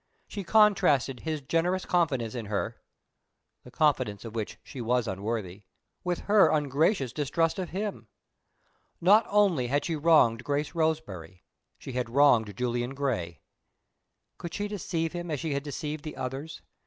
She contrasted his generous confidence in her (the confidence of which she was unworthy) with her ungracious distrust of him. Not only had she wronged Grace Roseberry she had wronged Julian Gray. Could she deceive him as she had deceived the others?